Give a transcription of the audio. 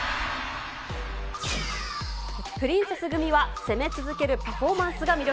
プリンセス組は攻め続けるパフォーマンスが魅力。